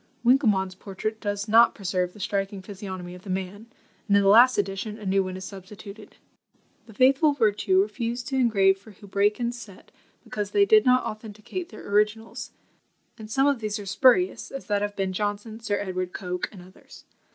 Winkelmann's portrait does not preserve the striking physiognomy of the man, and in the last edition a new one is substituted. The faithful Vertue refused to engrave for Houbraken's set, because they did not authenticate their originals; and some of these are spurious, as that of Ben Jonson, Sir Edward Coke, and others.